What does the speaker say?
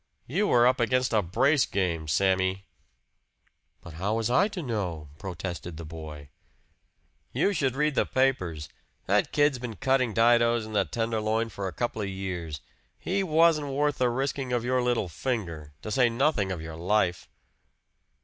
"You were up against a brace game, Sammy!" "But how was I to know?" protested the boy. "You should read the papers. That kid's been cutting didoes in the Tenderloin for a couple of years. He wasn't worth the risking of your little finger to say nothing of your life."